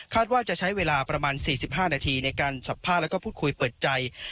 ว่าจะใช้เวลาประมาณ๔๕นาทีในการสัมภาษณ์แล้วก็พูดคุยเปิดใจ